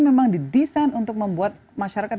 memang didesain untuk membuat masyarakat